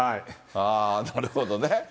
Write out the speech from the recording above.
なるほどね。